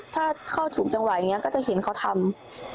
ถ้าเข้าถูกจังหวะอย่างนี้ก็จะเห็นเขาทำ